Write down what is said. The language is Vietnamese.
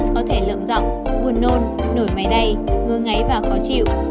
có thể lợm rọng buồn nôn nổi máy đay ngư ngáy và khó chịu